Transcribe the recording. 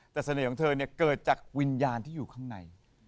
แต่เสน่ห์ของเธอเกิดจากวิญญาณที่อยู่ข้างใน